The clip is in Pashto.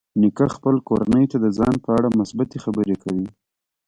نیکه خپل کورنۍ ته د ځان په اړه مثبتې خبرې کوي.